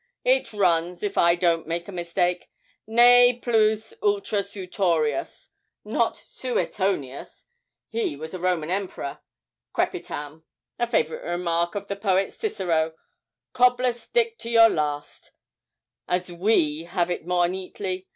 It runs, if I don't make a mistake, "Ne plus ultra sutorius (not suetonius he was a Roman emperor) crepitam," a favourite remark of the poet Cicero "Cobbler stick to your last," as we have it more neatly.